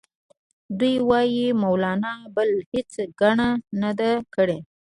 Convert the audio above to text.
دوی وايي مولنا بله هیڅ ګناه نه ده کړې.